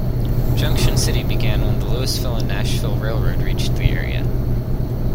Junction City began when the Louisville and Nashville Railroad reached the area.